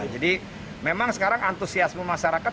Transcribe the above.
jadi memang sekarang antusiasme masyarakat